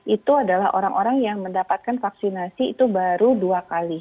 itu adalah orang orang yang mendapatkan vaksinasi itu baru dua kali